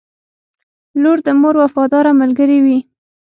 • لور د مور وفاداره ملګرې وي.